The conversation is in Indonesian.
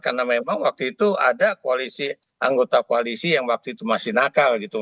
karena memang waktu itu ada anggota koalisi yang waktu itu masih nakal gitu